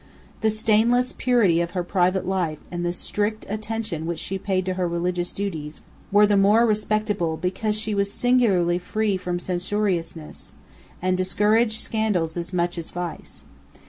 The stainless purity of her private life and the strict attention which she paid to her religious duties were the more respectable, because she was singularly free from censoriousness, and discouraged scandal as much as vice.